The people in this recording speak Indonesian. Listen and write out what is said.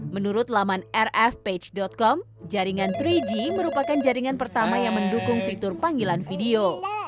menurut laman rfpage com jaringan tiga g merupakan jaringan pertama yang mendukung fitur panggilan video